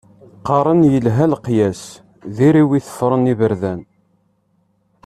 Qqaren yelha leqyas, diri wi i tefṛen iberdan.